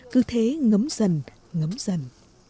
cứ thế ngấm dần ngấm dần